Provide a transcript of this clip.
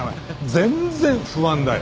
全然不安だよ。